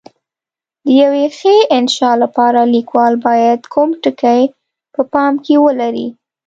د یوې ښې انشأ لپاره لیکوال باید کوم ټکي په پام کې ولري؟